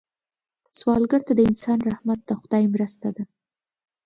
سوالګر ته د انسان رحمت د خدای مرسته ده